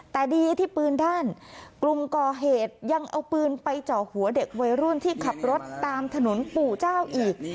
แต่ดีที่ปืนด้านกลุ่มก่อเหตุยังเอาปืนไปเจาะหัวเด็กวัยรุ่นที่ขับรถตามถนนปู่เจ้าอีก